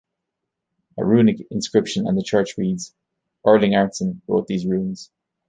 A runic inscription on the church reads: "Erling Arnson wrote these runes".